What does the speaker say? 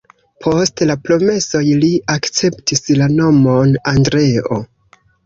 Post la promesoj li akceptis la nomon Andreo.